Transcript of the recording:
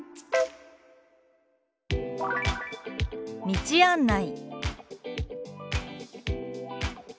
「道案内」。